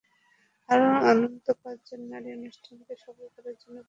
আরও অন্তত পাঁচজন নারী অনুষ্ঠানকে সফল করার জন্য ব্যাপক সময় দিয়েছেন।